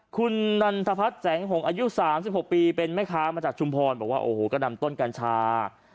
คุณนันทพัฒน์แสงหงอายุ๓๖ปีเป็นแม่ค้ามาจากชุมพรบอกว่าโอ้โหก็นำต้นกัญชา